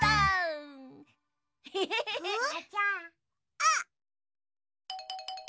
あっ！